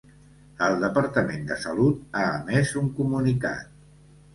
El Departament de Salut ha emès un comunicat.